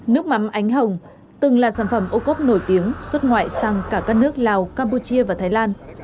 nước mắm ánh hồng từng là sản phẩm ô cốp nổi tiếng xuất ngoại sang cả các nước lào campuchia và thái lan